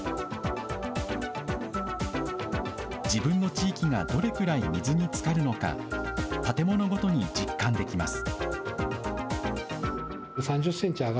自分の地域がどれくらい水につかるのか、建物ごとに実感できます。